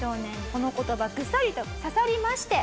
この言葉グサリと刺さりまして。